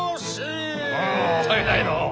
もったいないのう。